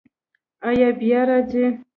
ایا بیا راځئ؟